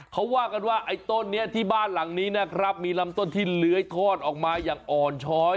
เขาว่ากันว่าไอ้ต้นนี้ที่บ้านหลังนี้นะครับมีลำต้นที่เลื้อยทอดออกมาอย่างอ่อนช้อย